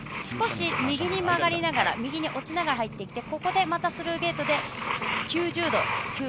少し右に曲がりながら右に落ちながら入ってきてまたスルーゲートで、９０度。